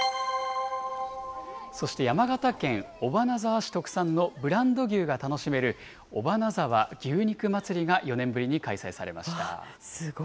そして山形県尾花沢市特産のブランド牛が楽しめる、尾花沢牛肉まつりが４年ぶりに開催されました。